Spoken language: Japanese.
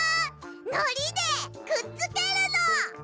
のりでくっつけるの！